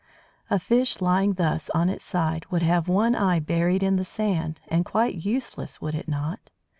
A fish lying thus on its side would have one eye buried in the sand, and quite useless, would it not?